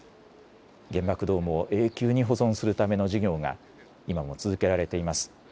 原爆ドームを永久に保存するための事業が今も続けられています。